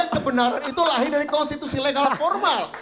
kebenaran itu lahir dari konstitusi legal formal